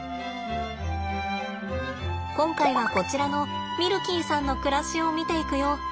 今回はこちらのミルキーさんの暮らしを見ていくよ。